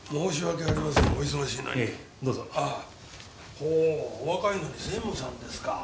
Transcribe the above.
ほうお若いのに専務さんですか。